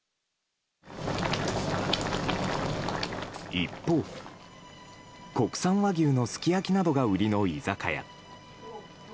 一方、国産和牛のすき焼きなどが売りの居酒屋。